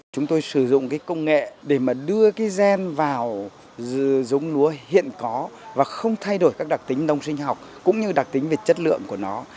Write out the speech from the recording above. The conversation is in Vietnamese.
chúng tôi sử dụng cái công nghệ để mà đưa cái gen vào giống lúa hiện có và không thay đổi các đặc tính nông sinh học cũng như đặc tính về chất lượng của nó